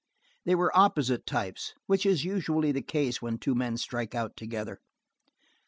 They were opposite types, which is usually the case when two men strike out together.